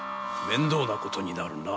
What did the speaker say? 面倒な事になるな。